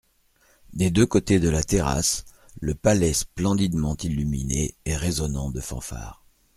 Des deux côtés de la terrasse, le palais splendidement illuminé et résonnant de fanfares.